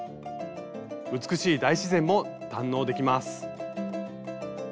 美しい大自然も堪能できます。